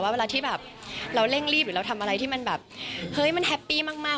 ว่าเวลาที่แบบเราเร่งรีบหรือเราทำอะไรที่มันแฮปปี้มาก